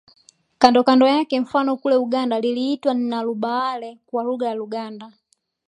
Kando kando yake mfano kule Uganda liliitwa Nnalubaale kwa lugha ya Luganda